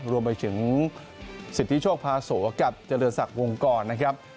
รวมไปถึงสิทธิโชคพาโสกับเจริญศักดิ์วงกรนะครับ